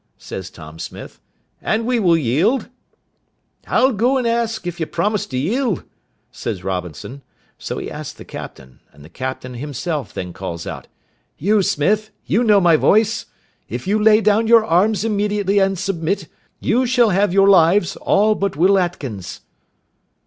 says Tom Smith, "and we will yield." "I'll go and ask, if you promise to yield," said Robinson: so he asked the captain, and the captain himself then calls out, "You, Smith, you know my voice; if you lay down your arms immediately and submit, you shall have your lives, all but Will Atkins."